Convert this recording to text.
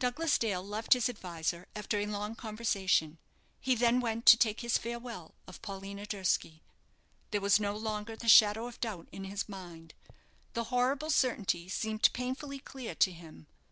Douglas Dale left his adviser after a long conversation. He then went to take his farewell of Paulina Durski. There was no longer the shadow of doubt in his mind. The horrible certainty seemed painfully clear to him.